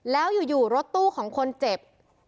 แล้วอยู่รถตู้ของคนเจ็บ